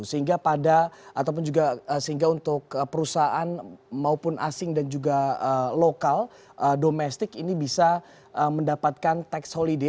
sehingga untuk perusahaan maupun asing dan juga lokal domestik ini bisa mendapatkan tax holiday